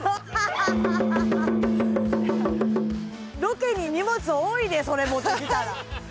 ロケに荷物多いでそれ持ってきたら。